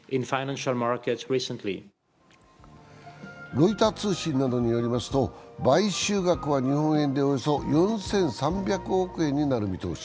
ロイター通信などによりますと買収額は日本円でおよそ４３００億円になる見通し